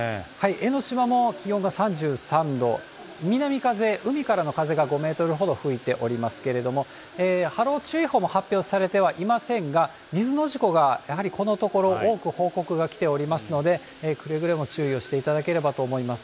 江の島も気温が３３度、南風、海からの風が５メートルほど吹いておりますけれども、波浪注意報も発表されてはいませんが、水の事故がやはりこのところ多く報告が来ておりますので、くれぐれも注意をしていただければと思います。